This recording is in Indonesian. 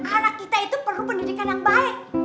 anak kita itu perlu pendidikan yang baik